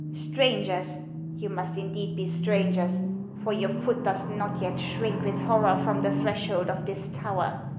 Strangers ! You must indeed be stran gers, for your foot does not yet shrink with horror from the threshold of this tower.